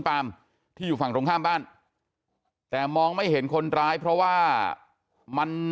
ปามที่อยู่ฝั่งตรงข้ามบ้านแต่มองไม่เห็นคนร้ายเพราะว่ามัน